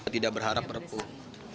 tidak berharap perpuk